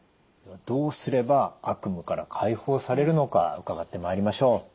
どうすれば悪夢から解放されるのか伺ってまいりましょう。